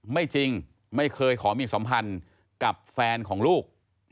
ไม่จริงไม่เคยขอมีสัมพันธ์กับแฟนของลูก